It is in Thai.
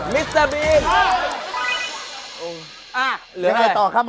ไม่ได้ต่อค่ะหมอ